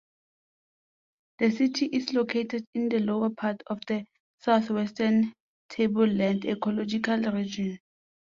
The city is located in the lower part of the Southwestern Tablelands ecological region.